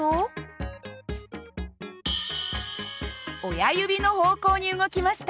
親指の方向に動きました。